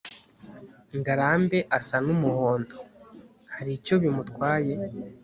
ngarambe asa n'umuhondo. hari icyo bimutwaye